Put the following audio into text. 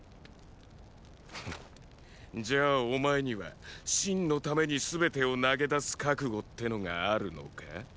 フッじゃあお前には秦のために全てを投げ出す覚悟ってのがあるのか？